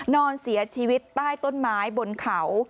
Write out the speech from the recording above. นอนเสียชีวิตใต้ต้นไม้บนเขา